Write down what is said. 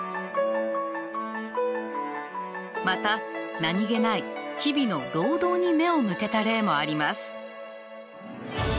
また何気ない日々の労働に目を向けた例もあります。